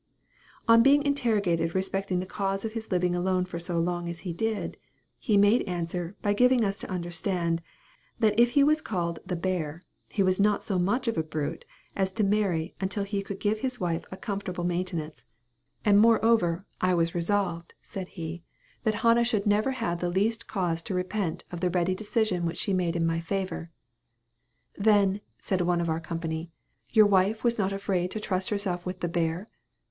On being interrogated respecting the cause of his living alone so long as he did, he made answer, by giving us to understand, that if he was called "the bear," he was not so much of a brute as to marry until he could give his wife a comfortable maintenance; "and moreover, I was resolved," said he, "that Hannah should never have the least cause to repent of the ready decision which she made in my favor." "Then," said one of our company, "your wife was not afraid to trust herself with the bear?"